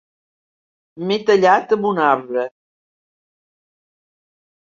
M'he tallat amb un arbre.